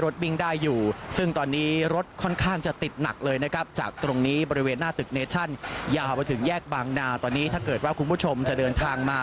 ถึงแยกบางนาตอนนี้ถ้าภูมิคุณผู้ชมจะเดินทางมา